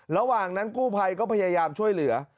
ระหว่างนั้นกู้ภัยก็พยายามช่วยเหลือ